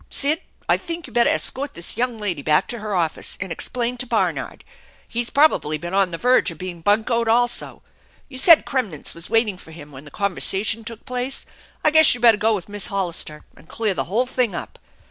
Sid, I think you better escort this young lady back to her office and explain to Barnard. He's probably been on the verge of being buncoed also. You said Kremnitz was waiting for him when the conversation took place? I guess you better go with Miss Hollister and clear the whole thing up.